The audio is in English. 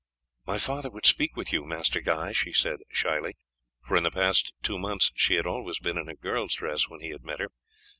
"My father would speak with you, Master Guy," she said shyly, for in the past two months she had always been in her girl's dress when he had met her.